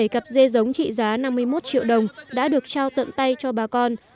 bảy cặp dê giống trị giá năm mươi một triệu đồng đã được trao tận tay cho bà con